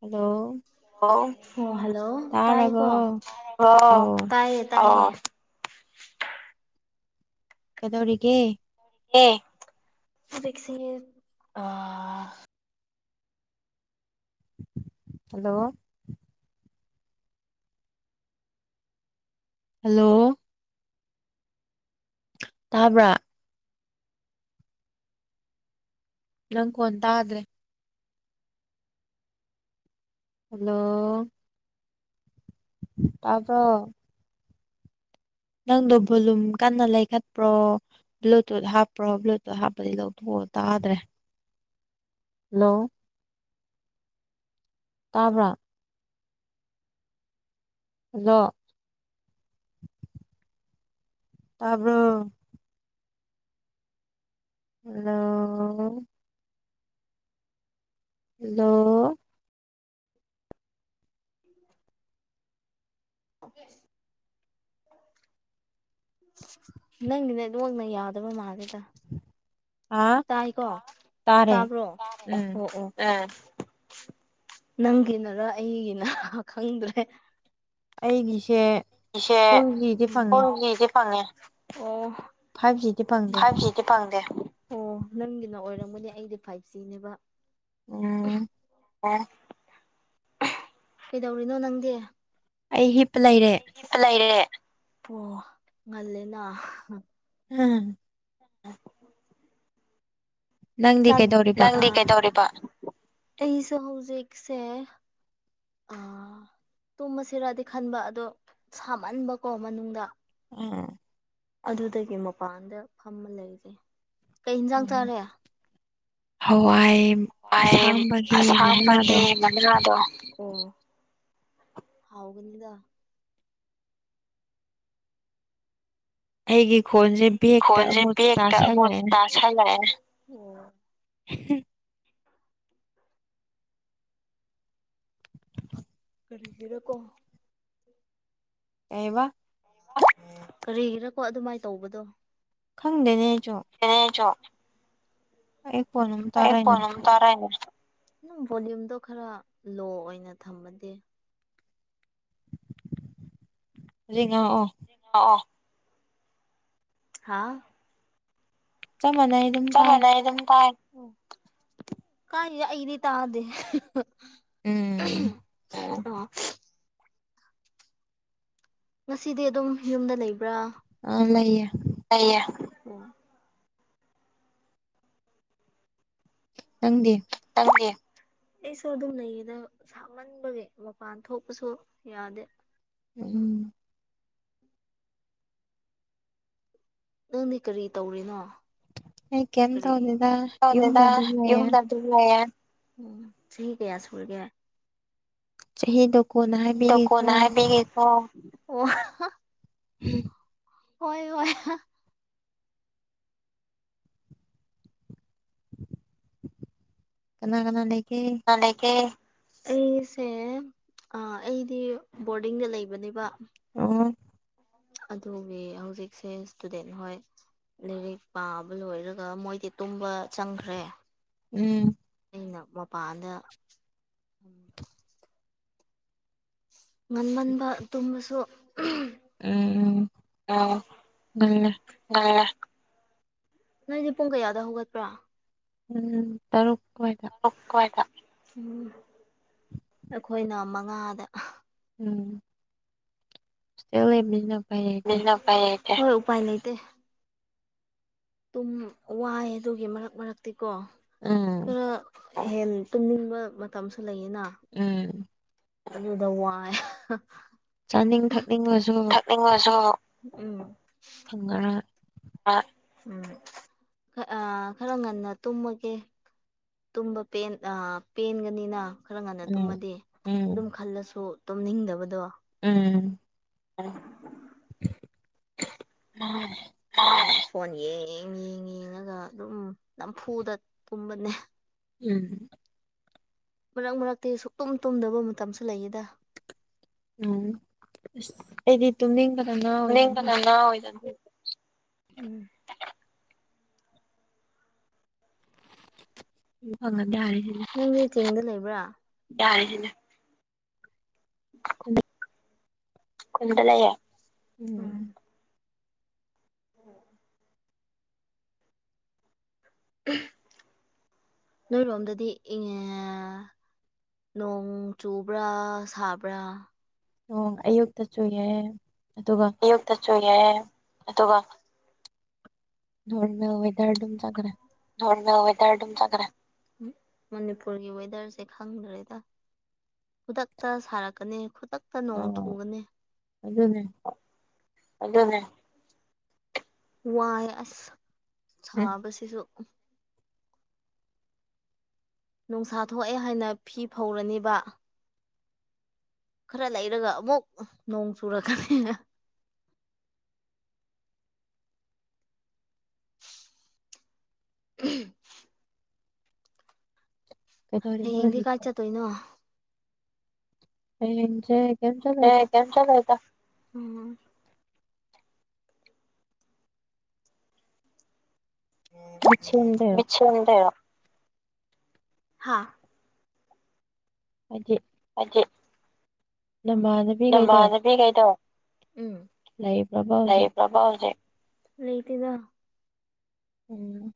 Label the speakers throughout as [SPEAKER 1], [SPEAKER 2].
[SPEAKER 1] hello
[SPEAKER 2] ꯍꯣ hello
[SPEAKER 1] ꯇꯥꯔꯕꯣ
[SPEAKER 2] ꯇꯥꯏꯀꯣ
[SPEAKER 1] ꯑꯧ
[SPEAKER 2] ꯇꯥꯏꯌꯦ ꯇꯥꯏ ꯑꯣ
[SPEAKER 1] ꯀꯩꯗꯧꯔꯤꯒꯦ
[SPEAKER 2] ꯑꯦ ꯍꯨꯖꯤꯛꯁꯦ ꯑꯥ
[SPEAKER 1] ꯍꯜꯂꯣ ꯍꯜꯂꯣ ꯇꯥꯕ꯭ꯔꯥ ꯅꯪ ꯈꯣꯟ ꯇꯥꯥꯗ꯭ꯔꯦ ꯍꯜꯂꯣ ꯇꯥꯕ꯭ꯔꯣ ꯅꯪꯗꯣ ꯕꯣꯂꯨꯝ ꯀꯟꯅ ꯂꯩꯈꯠꯄ꯭ꯔꯣ ꯕ꯭ꯂꯨꯇꯨꯠ ꯍꯥꯞꯄ꯭ꯔꯣ ꯕ꯭ꯂꯨꯇꯨꯠ ꯍꯥꯞꯄꯗꯤ ꯂꯧꯊꯣꯛꯑꯣ ꯇꯥꯗ꯭ꯔꯦ ꯍꯜꯂꯣ ꯇꯥꯕ꯭ꯔꯥ ꯍꯜꯂꯣ ꯇꯥꯕ꯭ꯔꯣ ꯍꯜꯂꯣ ꯍꯜꯂꯣ
[SPEAKER 2] [unintelligible] ꯅꯪꯒꯤ ꯅꯦꯠꯋꯥꯛꯅ ꯌꯥꯗꯕ ꯃꯥꯜꯂꯦ
[SPEAKER 1] ꯍꯥ
[SPEAKER 2] ꯇꯥꯏꯀꯣ
[SPEAKER 1] ꯇꯥꯔꯦ
[SPEAKER 2] ꯇꯥꯕ꯭ꯔꯣ
[SPEAKER 1] ꯎꯝ
[SPEAKER 2] ꯑꯣ ꯑꯣ ꯑꯦ ꯅꯪꯒꯤꯅꯔ ꯑꯩꯒꯤꯅ ꯈꯪꯗ꯭ꯔꯦ
[SPEAKER 1] ꯑꯩꯒꯤꯁꯦ
[SPEAKER 2] ꯏꯁꯦ
[SPEAKER 1] ꯐꯣꯔ ꯖꯤꯗꯤ ꯐꯪꯉꯦ
[SPEAKER 2] ꯐꯣꯔꯖꯤꯁꯦ ꯐꯪꯉꯦ ꯑꯣ
[SPEAKER 1] ꯐꯥꯏꯚ ꯖꯤꯗꯤ ꯐꯪꯗꯦ
[SPEAKER 2] ꯐꯥꯏꯚꯖꯤꯁꯦ ꯑꯣ ꯅꯪꯒꯤꯅ ꯑꯣꯏꯔꯝꯒꯅꯦ ꯑꯩꯗꯤ ꯐꯥꯏꯚ ꯁꯤꯅꯦꯕ
[SPEAKER 1] ꯑꯣ
[SPEAKER 2] ꯑꯦ ꯀꯩꯗꯧꯔꯤꯅꯣ ꯅꯪꯗꯤ
[SPEAKER 1] ꯑꯩ ꯍꯤꯞ ꯂꯩꯔꯦ
[SPEAKER 2] ꯑꯦꯄ ꯂꯩꯔꯦ ꯄ ꯉꯜꯂꯦꯅ
[SPEAKER 1] ꯎꯝ
[SPEAKER 2] ꯑ
[SPEAKER 1] ꯅꯪꯗꯤ ꯀꯩꯗꯧꯔꯤꯕ
[SPEAKER 2] ꯅꯪꯗꯤ ꯀꯩꯗꯧꯔꯤꯕ ꯑꯩꯁꯨ ꯍꯧꯖꯤꯛꯁꯦ ꯑ ꯇꯨꯝꯕꯁꯤꯔꯗꯤ ꯈꯟꯕ ꯑꯗꯣ ꯁꯥꯃꯟꯕꯀꯣ ꯃꯅꯨꯡꯗ
[SPEAKER 1] ꯑ
[SPEAKER 2] ꯑꯗꯨꯗꯒꯤ ꯃꯄꯥꯟꯗ ꯐꯝꯃ ꯂꯩꯔꯦ
[SPEAKER 1] ꯑꯣ ꯍꯋꯥꯏ ꯑꯁꯥꯡꯕꯒꯤ ꯃꯅꯥꯗꯣ
[SPEAKER 2] ꯗ ꯑꯣ ꯍꯥꯎꯒꯅꯤꯗ
[SPEAKER 1] ꯑꯩꯒꯤ ꯈꯣꯟꯁꯦ ꯕꯦꯛꯇ ꯑꯃꯨꯛ ꯇꯥꯁꯜꯂꯛꯑꯦ
[SPEAKER 2] ꯆꯂ
[SPEAKER 1] ꯍꯝ
[SPEAKER 2] ꯀꯔꯤꯒꯤꯔꯀꯣ
[SPEAKER 1] ꯀꯕ
[SPEAKER 2] ꯀꯔꯤꯒꯤꯔꯀꯣ ꯑꯗꯨꯃꯥꯏꯅ ꯇꯧꯕꯗꯣ
[SPEAKER 1] ꯈꯪꯗꯦꯅꯦ ꯑꯩꯁꯨ
[SPEAKER 2] ꯑꯦ ꯆꯣ
[SPEAKER 1] ꯑꯩ ꯈꯣꯟ ꯑꯃꯨꯛ ꯇꯥꯔꯛꯏꯅꯦ
[SPEAKER 2] ꯑꯩꯄꯣꯅ ꯇꯦꯅꯦ ꯑꯗꯨꯝ ꯕꯣꯂꯌꯨꯝꯗꯣ ꯈꯔ ꯂꯣ ꯑꯣꯏꯅ ꯊꯝꯃꯗꯤꯦ
[SPEAKER 1] ꯔꯤꯉꯥꯛꯑꯣ
[SPEAKER 2] ꯑꯣ ꯑꯣ ꯍꯥꯥ
[SPEAKER 1] ꯆ ꯃꯅꯥꯏ
[SPEAKER 2] ꯆ ꯑꯗꯨꯝ ꯀꯥꯔꯤ ꯑꯩꯗꯤ ꯇꯥꯗꯦ
[SPEAKER 1] ꯎꯝ
[SPEAKER 2] [unintelligible] ꯉꯁꯤꯗꯤ ꯑꯗꯨꯝ ꯌꯨꯝꯗ ꯂꯩꯕ꯭ꯔꯥ
[SPEAKER 1] ꯑ ꯂꯩꯌꯦꯦ
[SPEAKER 2] ꯂꯩꯌꯦ
[SPEAKER 1] ꯅꯪꯗꯤꯦ
[SPEAKER 2] ꯁꯨ ꯑꯗꯨꯝ ꯅꯌꯦꯗ ꯑꯃꯟꯕꯒꯤ ꯃꯄꯥꯟ ꯊꯣꯛꯄꯁꯨ ꯌꯥꯗꯦ
[SPEAKER 1] ꯎꯝ
[SPEAKER 2] ꯅꯪꯗꯤ ꯀꯔꯤ ꯇꯧꯔꯤꯅꯣ
[SPEAKER 1] ꯑꯩ ꯀꯩꯝ
[SPEAKER 2] ꯀꯔꯤ
[SPEAKER 1] ꯇꯧꯗꯦꯗ ꯌꯨꯝꯗ ꯑꯗꯨꯝ ꯂꯩꯌꯦ
[SPEAKER 2] ꯁꯨꯔꯦ ꯎꯝ ꯆꯍꯤ ꯀꯌꯥ ꯁꯨꯔꯒꯦ
[SPEAKER 1] ꯍ ꯗꯣꯛ
[SPEAKER 2] ꯗ ꯀꯣꯟꯅꯥꯒꯀꯣ
[SPEAKER 1] ꯎꯝ
[SPEAKER 2] ꯍꯣꯏ ꯍꯣꯏ
[SPEAKER 1] ꯀꯅꯥ ꯀꯅꯥ ꯂꯩꯀ
[SPEAKER 2] ꯑꯩꯁꯦ ꯑꯩꯗꯤ ꯕꯣꯔꯗꯤꯡꯗ ꯂꯩꯕꯅꯦꯕ
[SPEAKER 1] ꯑꯣ
[SPEAKER 2] ꯑꯗꯨꯒꯤ ꯍꯧꯖꯤꯛꯁꯦ ꯏꯁꯇꯨꯗꯦꯟ ꯍꯣꯏ ꯂꯥꯏꯔꯤꯛ ꯄꯥꯕ ꯂꯣꯏꯔꯒ ꯃꯣꯏꯗꯤ ꯇꯨꯝꯕ ꯆꯪꯈ꯭ꯔꯦ
[SPEAKER 1] ꯎꯝ
[SPEAKER 2] ꯑꯩꯅ ꯃꯄꯥꯟꯗ ꯉꯟꯃꯟꯕ ꯇꯨꯝꯕꯁꯨ
[SPEAKER 1] ꯎꯝ
[SPEAKER 2] ꯑ
[SPEAKER 1] ꯉꯜꯂꯦ
[SPEAKER 2] ꯉ ꯅꯪꯗꯤꯦ ꯄꯨꯡ ꯀꯌꯥꯗ ꯍꯧꯒꯠꯄ꯭ꯔꯥ
[SPEAKER 1] ꯎꯝ ꯇꯔꯨꯛ ꯑꯣꯏꯗ
[SPEAKER 2] ꯎꯝ ꯑꯩꯈꯣꯏꯅ ꯃꯉꯥꯗ
[SPEAKER 1] ꯎꯝ ꯂꯩꯕꯅ
[SPEAKER 2] ꯅ ꯄ ꯑꯗꯨꯝ ꯋꯥꯏ ꯑꯗꯨꯒꯤ ꯃꯔꯛ ꯃꯔꯛꯇꯤꯀꯣ
[SPEAKER 1] ꯎꯝ
[SPEAKER 2] ꯈꯔ ꯍꯦꯟ ꯇꯨꯝꯅꯤꯡꯕ ꯃꯇꯝꯁꯨ ꯂꯩꯌꯦꯅ
[SPEAKER 1] ꯎꯝ
[SPEAKER 2] ꯗꯧ ꯋꯥ
[SPEAKER 1] ꯆꯥꯅꯤꯡ ꯊꯛꯅꯤꯡꯕꯁꯨ
[SPEAKER 2] ꯊꯛꯉꯁꯨꯣ ꯎꯝ
[SPEAKER 1] ꯈꯪꯒꯔ
[SPEAKER 2] ꯎꯝ ꯑ ꯈꯔ ꯉꯟꯅ ꯇꯨꯝꯃꯒꯦ ꯇꯨꯝꯕ ꯄꯦꯟ ꯑ ꯄꯦꯟꯒꯅꯤꯅ ꯈꯔ ꯉꯟꯅ
[SPEAKER 1] ꯎꯝ
[SPEAKER 2] ꯇꯨꯝꯃꯗꯤ
[SPEAKER 1] ꯎꯝ
[SPEAKER 2] ꯑꯗꯨꯝ ꯈꯜꯂꯁꯨ ꯇꯨꯝꯅꯤꯡꯗꯕꯗꯣ
[SPEAKER 1] ꯎꯝ
[SPEAKER 2] ꯍ
[SPEAKER 1] ꯑ
[SPEAKER 2] ꯐꯣꯟ ꯌꯦꯡ ꯌꯦꯡ ꯌꯦꯡꯉꯒ ꯑꯗꯨꯝ ꯅꯝꯐꯨꯗ ꯀꯨꯝꯕꯅꯦ
[SPEAKER 1] ꯎꯝ
[SPEAKER 2] ꯃꯔꯛ ꯃꯔꯛꯇꯤ ꯁꯨꯛꯇꯨꯝ ꯇꯨꯝꯗꯕ ꯃꯇꯝꯁꯨ ꯂꯩꯌꯦꯗ
[SPEAKER 1] ꯎꯝ ꯑꯁ ꯑꯩꯗꯤ ꯇꯨꯝꯅꯤꯡꯕꯅ ꯉꯥ ꯑꯣꯏꯗꯅ
[SPEAKER 2] ꯑ ꯑꯣꯏꯗ ꯎꯝ
[SPEAKER 1] ꯎ ꯍꯉꯗꯦ ꯍꯥꯏꯔꯅꯦ
[SPEAKER 2] ꯅꯪꯅꯦ ꯆꯤꯡꯗ ꯂꯩꯕ꯭ꯔꯥ ꯌꯥꯁꯤꯅ
[SPEAKER 1] [inaudible]
[SPEAKER 2] ꯀꯨꯟꯗꯂꯌꯦ
[SPEAKER 1] ꯎꯝ
[SPEAKER 2] ꯎꯝ
[SPEAKER 1] [inaudible]
[SPEAKER 2] ꯅꯣꯏꯔꯣꯝꯗꯗꯤ ꯏ ꯅꯣꯡ ꯆꯨꯕ꯭ꯔꯥ ꯁꯥꯕ꯭ꯔꯥ
[SPEAKER 1] ꯎ ꯑꯌꯨꯛꯇꯁꯨ ꯌꯥꯏ ꯑꯗꯨꯒ
[SPEAKER 2] ꯑꯌꯨꯛꯇꯁꯨ ꯌꯥꯏ ꯑꯗꯨꯒ
[SPEAKER 1] ꯅꯋꯦꯗꯔꯝ ꯆꯒ꯭ꯔ
[SPEAKER 2] ꯈ ꯃꯅꯤꯄꯨꯔꯒꯤ ꯋꯗꯔꯁꯦ ꯈꯪꯗ꯭ꯔꯦꯗ ꯈꯨꯗꯛꯇ ꯁꯥꯔꯛꯀꯅꯤ ꯈꯨꯗꯛꯇ ꯅꯣꯡ
[SPEAKER 1] ꯑꯥ
[SPEAKER 2] ꯆꯨꯒꯅꯤ
[SPEAKER 1] ꯑꯗꯨꯅꯦ
[SPEAKER 2] ꯑꯗꯨꯗꯅꯦ ꯋꯥꯏ ꯑꯁ
[SPEAKER 1] ꯎꯝ
[SPEAKER 2] ꯁꯥꯕꯁꯤꯁꯨ ꯅꯨꯡꯁꯥ ꯊꯣꯛꯑꯦ ꯍꯥꯏꯅ ꯐꯤ ꯐꯧꯔꯅꯤꯕ ꯈꯔ ꯂꯩꯔꯒ ꯑꯃꯨꯛ ꯅꯣꯡ ꯆꯨꯔꯛꯀꯅꯤꯅ ꯎꯝ
[SPEAKER 1] ꯀꯩꯗꯧꯔꯤꯕ
[SPEAKER 2] ꯍꯌꯦꯡꯗꯤ ꯀꯥꯏ
[SPEAKER 1] ꯍꯧꯖꯤꯛꯇꯤ
[SPEAKER 2] ꯆꯠꯇꯣꯏꯅꯣ
[SPEAKER 1] ꯑꯩꯖꯦ
[SPEAKER 2] ꯀꯩꯝ ꯆꯠꯂꯣꯏꯗꯥ ꯎꯝ
[SPEAKER 1] [unintelligible]
[SPEAKER 2] [unintelligible] ꯍꯥꯥ
[SPEAKER 1] ꯍꯥꯏꯗꯤ
[SPEAKER 2] ꯍꯥꯏꯗꯤ
[SPEAKER 1] ꯅꯃꯥꯟꯅꯕꯤ
[SPEAKER 2] ꯅꯃꯥꯟꯅꯕꯤꯈꯩꯗꯣ ꯎꯝ
[SPEAKER 1] ꯂꯩꯕ꯭ꯔꯕ ꯍꯧꯖꯤꯛ
[SPEAKER 2] ꯂꯩꯕ꯭ꯔꯕ ꯍꯧꯖꯤꯛ ꯂꯩꯇꯦꯗꯥ
[SPEAKER 1] ꯎꯝ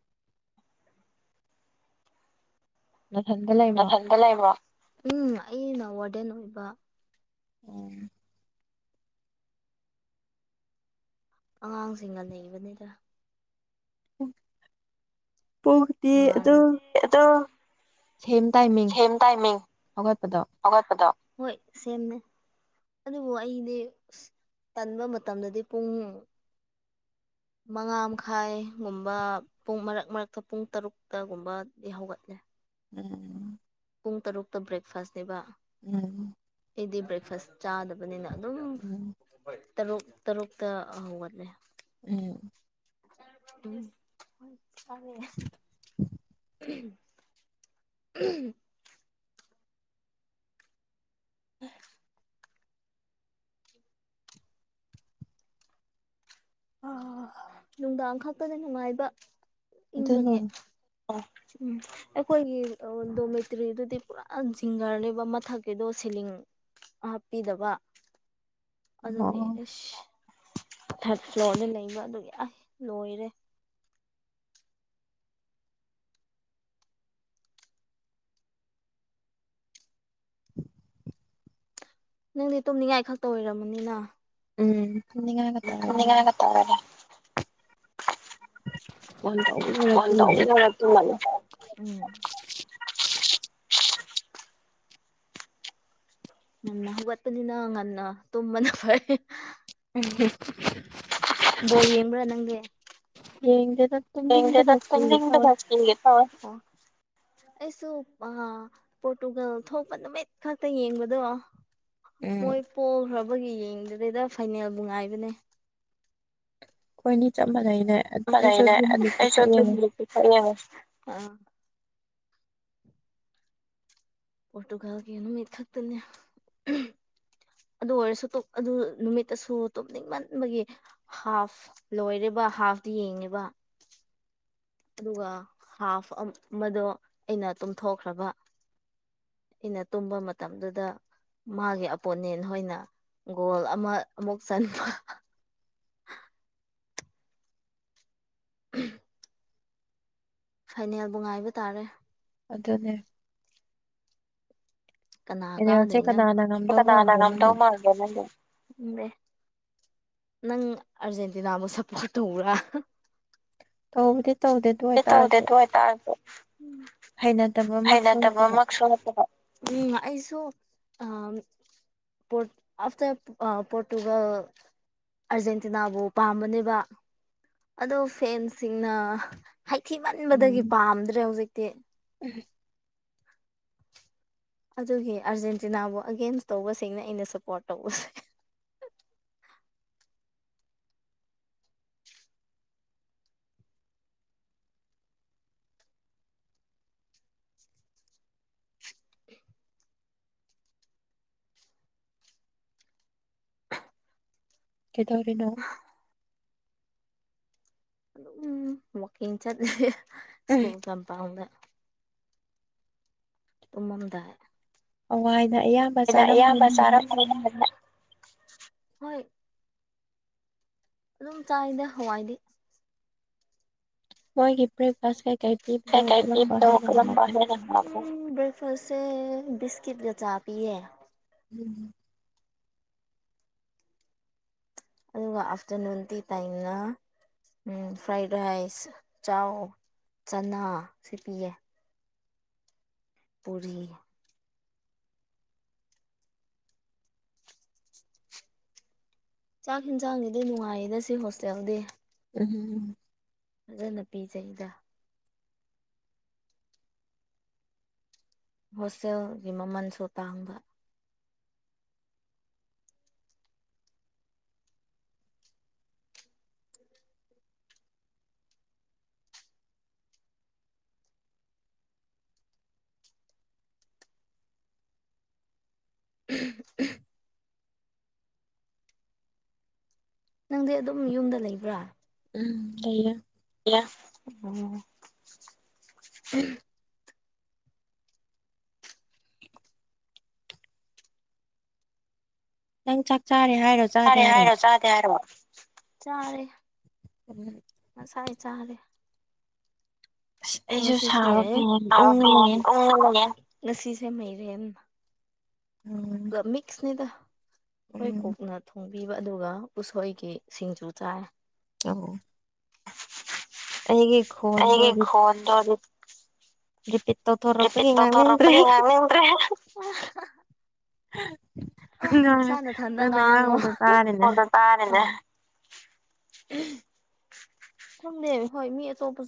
[SPEAKER 1] ꯅꯊꯟꯗ ꯂꯩꯕ꯭ꯔꯣ
[SPEAKER 2] ꯭ꯔ ꯎꯝ ꯑꯩꯅ ꯋꯥꯔꯗꯦꯟ ꯑꯣꯏꯕ
[SPEAKER 1] ꯑꯣ
[SPEAKER 2] ꯑꯉꯥꯡꯁꯤꯡꯅ ꯂꯩꯕꯅꯤꯗ
[SPEAKER 1] ꯄꯨꯡꯗꯤ ꯑꯗꯨꯝ
[SPEAKER 2] ꯑꯗꯨ
[SPEAKER 1] ꯁꯦꯝ ꯇꯥꯏꯃꯤꯡ ꯍꯧꯒꯠꯄꯗꯣ
[SPEAKER 2] ꯒꯠꯄꯗꯣ ꯍꯣꯏ ꯁꯦꯝꯅꯦ ꯑꯗꯨꯕꯨ ꯑꯩꯗꯤ ꯑ ꯇꯟꯕ ꯃꯇꯝꯗꯗꯤ ꯄꯨꯡ ꯃꯉꯥ ꯃꯈꯥꯏꯒꯨꯝꯕ ꯄꯨꯡ ꯃꯔꯛ ꯃꯔꯛꯇ ꯄꯨꯡ ꯇꯔꯨꯛꯇꯒꯨꯝꯕꯗꯤ ꯍꯧꯒꯠꯂꯦ
[SPEAKER 1] ꯎꯝ
[SPEAKER 2] ꯄꯨꯡ ꯇꯔꯨꯛꯇ ꯕ꯭ꯔꯦꯛꯐꯥꯁꯅꯦꯕ
[SPEAKER 1] ꯎꯝ
[SPEAKER 2] ꯑꯩꯗꯤ ꯕ꯭ꯔꯦꯛꯐꯥꯁ ꯆꯥꯗꯕꯅꯤꯅ ꯑꯗꯨꯝ
[SPEAKER 1] ꯎꯝ
[SPEAKER 2] ꯇꯔꯨꯛ ꯇꯔꯨꯛꯇ ꯍꯧꯒꯠꯂꯦ
[SPEAKER 1] ꯎꯝ
[SPEAKER 2] ꯎ ꯐꯔꯦ [inaudible] ꯌꯦ [unintelligible] ꯑ ꯅꯨꯡꯗꯥꯡ ꯈꯛꯇꯗ ꯅꯨꯡꯉꯥꯏꯕ
[SPEAKER 1] ꯑꯗꯨꯅ
[SPEAKER 2] ꯏꯪꯕꯒꯤ ꯑꯣ ꯎꯝ ꯑꯩꯈꯣꯏꯒꯤ ꯗꯣꯃꯦꯇ꯭ꯔꯤꯗꯨꯗꯤ ꯄꯨꯔꯥ ꯖꯤꯡꯒꯔꯅꯦꯕ ꯃꯊꯛꯀꯤꯗꯣ ꯁꯤꯂꯤꯡ ꯍꯥꯞꯄꯤꯗꯕ ꯑꯗꯨꯒꯤ
[SPEAKER 1] ꯑꯣ
[SPEAKER 2] ꯑꯁ ꯐꯂꯣꯔ ꯂꯩꯕ ꯑꯗꯨꯒꯤ ꯑꯁ ꯂꯣꯏꯔꯦ
[SPEAKER 1] [inaudible]
[SPEAKER 2] ꯅꯪꯗꯤ ꯇꯨꯝꯅꯤꯡꯉꯥꯏ ꯈꯛꯇ ꯑꯣꯏꯔꯝꯃꯅꯤꯅ
[SPEAKER 1] ꯎꯝ ꯇꯨꯝꯅꯤꯡꯉꯥꯏꯒ ꯇꯧꯔꯦ
[SPEAKER 2] [unintelligible]
[SPEAKER 1] ꯐꯣꯟ ꯇꯧꯕꯗꯨꯗ
[SPEAKER 2] ꯐꯣꯟ ꯇꯧꯕ
[SPEAKER 1] ꯇꯨꯝꯃꯅꯤ
[SPEAKER 2] ꯂꯣꯏꯔ ꯇꯨꯝꯃꯅꯤ ꯉꯟꯅ ꯍꯧꯒꯠꯄꯅꯤꯅ ꯉꯟꯅ ꯇꯨꯝꯕꯅ ꯐꯩ
[SPEAKER 1] [unintelligible]
[SPEAKER 2] ꯕꯣꯜ ꯌꯦꯡꯕ꯭ꯔꯥ ꯅꯪꯗꯤ
[SPEAKER 1] ꯌꯦꯡꯗꯦꯗ
[SPEAKER 2] ꯌꯦꯡꯗꯦꯗ
[SPEAKER 1] ꯇꯨꯝꯅꯤꯡꯕꯅ ꯁꯤꯒꯦ ꯇꯧꯋꯦ
[SPEAKER 2] ꯇꯨꯝꯅꯤꯡꯕꯅ
[SPEAKER 1] ꯎꯝ
[SPEAKER 2] ꯁꯤꯒꯦ ꯇꯧꯋꯦ ꯑꯩꯁꯨ ꯑꯥ ꯄꯣꯔꯇꯨꯒꯜ ꯊꯣꯛꯄ ꯅꯨꯃꯤꯠ ꯈꯛꯇ ꯌꯦꯡꯕꯗꯣ ꯃꯣꯏ ꯄꯣꯛꯈ꯭ꯔꯕꯒꯤ ꯌꯦꯡꯗ꯭ꯔꯤꯗ ꯐꯥꯏꯅꯦꯜꯕꯨ ꯉꯥꯏꯕꯅꯦ
[SPEAKER 1] ꯈꯣꯏꯅꯤ ꯆꯞ ꯃꯥꯟꯅꯩꯅꯦ ꯑꯩꯁꯨ
[SPEAKER 2] ꯃꯥꯟꯅꯩꯅꯦ
[SPEAKER 1] ꯑꯗꯨꯝ ꯅꯨꯃꯤꯠꯇꯨ
[SPEAKER 2] ꯑꯩꯁꯨ
[SPEAKER 1] ꯈꯛ ꯌꯦꯡꯉꯤ
[SPEAKER 2] [unintelligible] ꯄꯣꯔꯇꯨꯒꯥꯜꯒꯤ ꯅꯨꯃꯤꯠ ꯈꯛꯇꯅꯦ ꯑꯗꯨ ꯑꯣꯏꯔꯁꯨ ꯇ ꯑꯗꯨ ꯅꯨꯃꯤꯠꯇꯁꯨ ꯇꯨꯝꯅꯤꯡꯃꯟꯕꯒꯤ ꯍꯥꯐ ꯂꯣꯏꯔꯦꯕ ꯍꯥꯐꯇꯤ ꯌꯦꯡꯉꯦꯕ ꯑꯗꯨꯒ ꯍꯥꯐ ꯑꯃꯗꯣ ꯑꯩꯅ ꯇꯨꯝꯊꯣꯛꯈ꯭ꯔꯕ ꯑꯩꯅ ꯇꯨꯝꯕ ꯃꯇꯝꯗꯨꯗ ꯃꯥꯒꯤ ꯑꯄꯣꯅꯦꯟ ꯍꯣꯏꯅ ꯒꯣꯜ ꯑꯃ ꯑꯃꯨꯛ ꯆꯟꯕ [inaudible] ꯐꯥꯏꯅꯦꯜꯕꯨ ꯉꯥꯏꯕ ꯇꯥꯔꯦ
[SPEAKER 1] ꯑꯗꯨꯅꯦ
[SPEAKER 2] ꯀꯅꯥ
[SPEAKER 1] ꯐꯥꯏꯅꯦꯜꯁꯦ
[SPEAKER 2] ꯀꯥꯗꯣꯏꯅꯣ
[SPEAKER 1] ꯀꯅꯥꯅ ꯉꯝꯗꯧ
[SPEAKER 2] ꯀꯅꯥꯅ
[SPEAKER 1] ꯃꯥꯟꯒꯦ
[SPEAKER 2] ꯉꯝꯗꯧ
[SPEAKER 1] ꯅꯪꯗꯤ
[SPEAKER 2] ꯃꯥꯟꯒꯦ ꯅꯪꯗꯤ ꯈꯪꯗꯦ ꯅꯪ ꯑꯔꯖꯦꯟꯇꯤꯅꯥꯕꯨ ꯁꯞꯄꯣꯔꯠ ꯇꯧꯕ꯭ꯔꯥ
[SPEAKER 1] ꯇꯧꯕꯗꯤ ꯇꯧꯗꯦ ꯑꯗꯨ ꯑꯣꯏ
[SPEAKER 2] ꯑꯩ
[SPEAKER 1] ꯇꯥꯔꯁꯨ
[SPEAKER 2] [inaudible]
[SPEAKER 1] ꯍꯩꯅꯗꯕꯃꯛꯁꯨ ꯅꯠꯇꯕ
[SPEAKER 2] ꯍꯩꯅꯗꯕꯃꯛꯁꯨ ꯅꯠꯇꯕ ꯎꯝ ꯑꯩꯁꯨ ꯑꯝ ꯄꯣꯠ ꯑꯐꯇ ꯑ ꯄꯣꯔꯇꯨꯒꯜ ꯑꯥꯔꯖꯦꯟꯇꯤꯅꯥꯕꯨ ꯄꯥꯝꯕꯅꯦꯕ ꯑꯗꯣ ꯐꯦꯟꯁꯤꯡ ꯅ ꯍꯩꯊꯤꯃꯟꯕꯗꯒꯤ
[SPEAKER 1] ꯎꯝ
[SPEAKER 2] ꯄꯥꯝꯗ꯭ꯔꯦ ꯍꯧꯖꯤꯛꯇꯤ
[SPEAKER 1] [inaudible]
[SPEAKER 2] ꯑꯗꯨꯒꯤ ꯑꯥꯔꯖꯦꯟꯇꯤꯅꯥꯕꯨ ꯑꯒꯦꯟꯁ ꯇꯧꯕꯁꯤꯡꯅ ꯑꯩꯅ ꯁꯄꯣꯔꯠ ꯇꯧꯕ
[SPEAKER 1] ꯀꯩꯗꯧꯔꯤꯅꯣ
[SPEAKER 2] ꯋꯥꯀꯤꯡ ꯆꯥꯠꯂꯤ ꯁꯀꯨꯜ ꯀꯥꯝꯄꯥꯜꯗ ꯇꯨꯃꯝꯗꯥꯥꯏ
[SPEAKER 1] ꯑꯋꯥꯥꯏꯅ ꯑꯌꯥꯝ [inaudible]
[SPEAKER 2] ꯅ ꯑꯌꯥꯝꯕ ꯆꯥꯔꯗ [inaudible] ꯍꯣꯢ ꯑꯗꯨꯝ ꯆꯥꯏꯗ ꯍꯋꯥꯏꯗꯤ
[SPEAKER 1] ꯃꯣꯏꯒꯤ ꯕ꯭ꯔꯦꯛ ꯐꯥꯁ ꯀꯩ ꯀꯩ ꯄꯤꯕꯗꯣ ꯀꯔꯝꯕ ꯍꯦꯟꯅ ꯍꯥꯎꯒꯦ
[SPEAKER 2] ꯑꯝ ꯕ꯭ꯔꯦꯛꯐꯥꯁꯁꯦ ꯕꯤꯁꯀꯤꯠꯒ ꯆꯥ ꯄꯤꯌꯦ
[SPEAKER 1] [unintelligible]
[SPEAKER 2] ꯑꯗꯨꯒ ꯑꯥꯐꯇꯔꯅꯨꯟꯒꯤ ꯇꯥꯏꯝꯅ ꯎꯝ ꯐ꯭ꯔꯥꯏ ꯔꯥꯏꯁ ꯆꯥꯎ ꯆꯅꯥ ꯁꯤ ꯄꯤꯌꯦ ꯄꯨꯔꯤ ꯆꯥꯛ ꯍꯤꯟꯖꯥꯡꯒꯤꯗꯤ ꯅꯨꯡꯉꯥꯏꯌꯦꯗ ꯁꯤ ꯍꯣꯁꯇꯦꯜꯗꯤ
[SPEAKER 1] ꯑꯍꯨꯝ
[SPEAKER 2] ꯐꯖꯅ ꯄꯤꯖꯩꯗ ꯍꯣꯁꯇꯦꯜꯒꯤ ꯃꯃꯜꯁꯨ ꯇꯥꯡꯕ [inaudible] ꯅꯪꯗꯤ ꯑꯗꯨꯝ ꯌꯨꯝꯗ ꯂꯩꯕ꯭ꯔꯥ
[SPEAKER 1] ꯎꯝ ꯂꯩꯌꯦ
[SPEAKER 2] [inaudible]
[SPEAKER 1] ꯅꯪ ꯆꯥꯛ ꯆꯥꯔꯦ ꯍꯥꯏꯔꯣ
[SPEAKER 2] ꯆꯥꯔꯦ ꯍꯥꯏꯔꯣ ꯆꯥꯗꯦ ꯍꯥꯏꯔꯣ ꯆꯥꯔꯦ
[SPEAKER 1] [inaudible]
[SPEAKER 2] ꯉꯁꯥꯏ ꯆꯥꯔꯦ
[SPEAKER 1] ꯑꯁ ꯑꯩꯁꯨ
[SPEAKER 2] ꯉꯁꯤꯁꯦ
[SPEAKER 1] ꯁꯥꯕ ꯐꯦꯟ ꯎꯪꯉ ꯂꯩꯌꯦ
[SPEAKER 2] [inaudible] ꯉꯁꯤꯁꯦ ꯃꯩꯔꯦꯟ
[SPEAKER 1] ꯑꯝ
[SPEAKER 2] ꯃꯤꯁꯅꯦꯗ ꯑꯩꯈꯣꯏ ꯀꯨꯛꯅ ꯊꯣꯡꯕꯤꯕ ꯑꯗꯨꯒ ꯎꯁꯣꯏꯒꯤ ꯁꯤꯡꯖꯨ ꯆꯥꯏ
[SPEAKER 1] ꯑ [inaudible] ꯈꯣꯟꯗꯣ
[SPEAKER 2] ꯑꯩꯒꯤ ꯈꯣꯟꯗꯣ
[SPEAKER 1] ꯔꯦꯕꯤꯠ
[SPEAKER 2] ꯔꯤꯄꯤꯠ
[SPEAKER 1] ꯇꯧꯊꯣꯛꯔꯛꯕꯒꯤ ꯉꯥꯡꯅꯤꯡꯗꯔꯦ
[SPEAKER 2] ꯇꯧꯊꯣꯔꯛꯄꯒꯤ ꯉꯥꯡꯅꯤꯡꯗ꯭ꯔꯦ
[SPEAKER 1] ꯅꯪ ꯉꯥꯡꯕꯗꯣ ꯇꯥꯔꯤꯅꯦ
[SPEAKER 2] ꯊꯗ ꯍꯣꯏ ꯃꯤ ꯇꯣꯄꯁꯨ [inaudible]